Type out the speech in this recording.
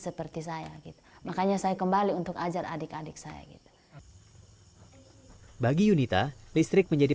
seperti saya gitu makanya saya kembali untuk ajar adik adik saya gitu bagi yunita listrik menjadi